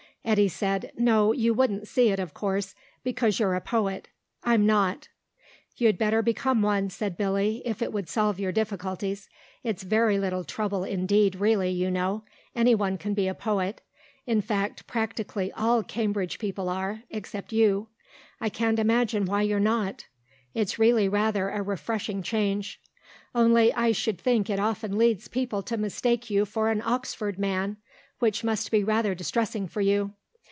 Eddy said, "No, you wouldn't see it, of course, because you're a poet. I'm not." "You'd better become one," said Billy, "if it would solve your difficulties. It's very little trouble indeed really, you know. Anyone can be a poet; in fact, practically all Cambridge people are, except you; I can't imagine why you're not. It's really rather a refreshing change; only I should think it often leads people to mistake you for an Oxford man, which must be rather distressing for you.